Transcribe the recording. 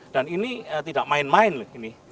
dan ini tidak main main